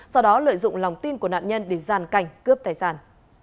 sau đó lợi dụng lòng tin của nạn nhân để giàn cảnh cướp tài sản